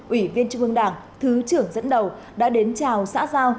ủy viên trung ương đảng thứ trưởng dẫn đầu đã đến chào xã giao